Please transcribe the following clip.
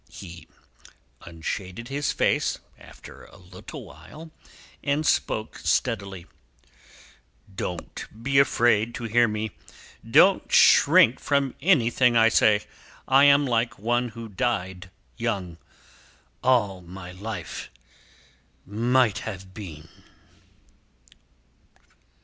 He unshaded his face after a little while, and spoke steadily. "Don't be afraid to hear me. Don't shrink from anything I say. I am like one who died young. All my life might have been."